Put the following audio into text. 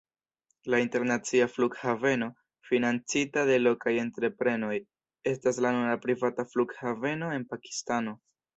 La internacia flughaveno, financita de lokaj entreprenoj, estas la nura privata flughaveno en Pakistano.